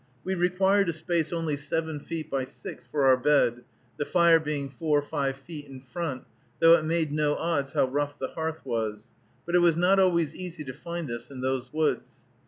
We required a space only seven feet by six for our bed, the fire being four or five feet in front, though it made no odds how rough the hearth was; but it was not always easy to find this in those woods.